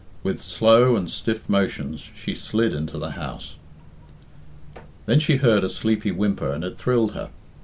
With slow and stiff motions she slid into the house. Then she heard a sleepy whimper and it thrilled her.